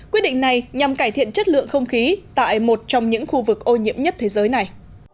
quyết định này nhằm cải thiện chất lượng không khí tại một trong những khu vực ô nhiễm nhất thế giới này